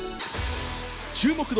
注目度